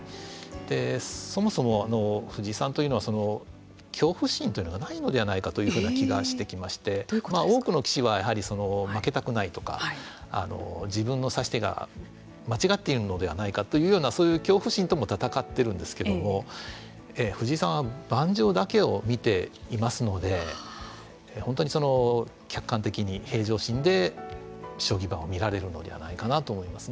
そもそも藤井さんというのは恐怖心というのがないのではないかというふうな気がしてきまして多くの棋士はやはり負けたくないとか自分の指し手が間違っているのではないかというようなそういう恐怖心とも戦ってるんですけども藤井さんは盤上だけを見ていますので本当に客観的に平常心で将棋盤を見られるのではないかなと思いますね。